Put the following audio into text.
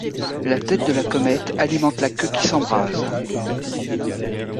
La tête de la comète alimente la queue qui s'embrase.